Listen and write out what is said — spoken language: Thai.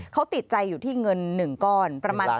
เขาติดใจอยู่ที่เงินหนึ่งก้อน